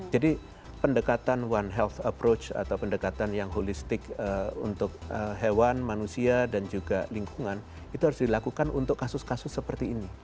pendekatan one health approach atau pendekatan yang holistik untuk hewan manusia dan juga lingkungan itu harus dilakukan untuk kasus kasus seperti ini